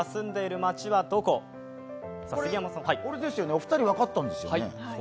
お二人、分かったんですよね？